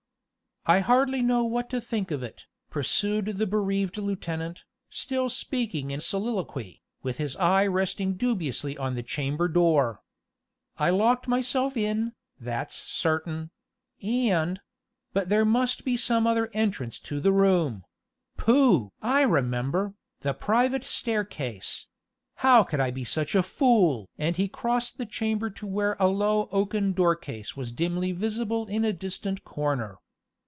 "I hardly know what to think of it," pursued the bereaved lieutenant, still speaking in soliloquy, with his eye resting dubiously on the chamber door. "I locked myself in, that's certain; and but there must be some other entrance to the room pooh! I remember the private staircase; how could I be such a fool?" and he crossed the chamber to where a low oaken doorcase was dimly visible in a distant corner.